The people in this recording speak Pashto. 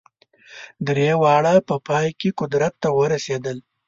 درې واړه په پای کې قدرت ته ورسېدل.